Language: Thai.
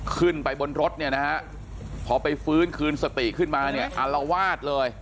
ขึ้นไปบนรถเนี่ยนะฮะพอไปฟื้นคืนสติขึ้นมาเนี่ยอารวาสเลย